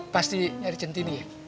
pasti nyari centini ya